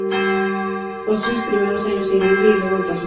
Pasó sus primeros años en India y luego en Tasmania.